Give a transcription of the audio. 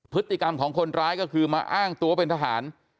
พฤติกรรมของคนร้ายก็คือมาอ้างตัวเป็นทหาร